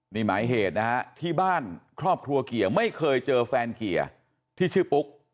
นี่หมายเหตุนะฮะที่บ้านครอบครัวเกียร์ไม่เคยเจอแฟนเกียร์ที่ชื่อปุ๊ก